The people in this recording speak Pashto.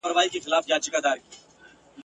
د یاغي کوترو ښکار ته به یې وړلې !.